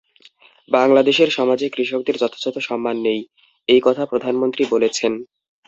বাংলাদেশের সমাজে কৃষকদের যথাযথ সম্মান নেই, এই কথা প্রধানমন্ত্রী বলেছেন।